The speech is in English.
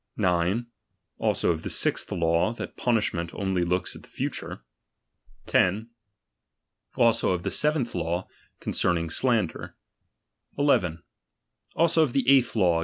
9. Also of the sixth law, that punish ment only looks at the future. 10. Also of the seventh law, concerning slander. 1 1. Also of the eighth law.